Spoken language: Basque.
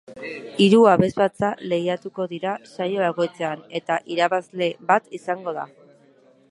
Hiru abesbatza lehiatuko dira saio bakoitzean, eta irabazle bat izango da.